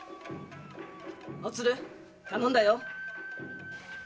おつる頼んだよ。